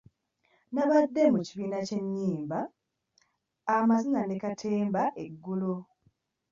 Nabadde mu kibiina ky'ennyimba, amazina ne katemba eggulo.